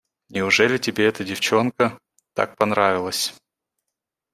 Неужели тебе эта девчонка так понравилась?